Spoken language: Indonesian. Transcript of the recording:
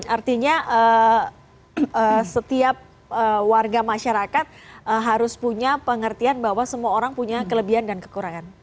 artinya setiap warga masyarakat harus punya pengertian bahwa semua orang punya kelebihan dan kekurangan